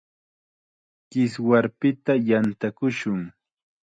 Kiswarpita yantakushun.